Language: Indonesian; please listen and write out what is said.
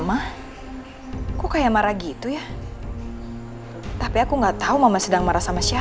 aku merasa ingin lebih baik